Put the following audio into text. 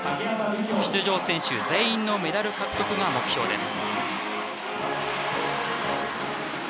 出場選手全員のメダル獲得が目標です。